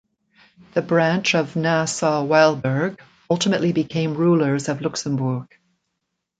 The branch of Nassau-Weilburg ultimately became rulers of Luxembourg.